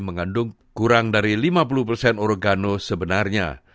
mengandung kurang dari lima puluh oregano sebenarnya